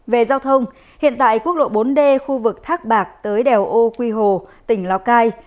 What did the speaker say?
về giao thông hiện tại quốc lộ bốn d khu vực thác bạc tới đèo ô quy hồ tỉnh lào cai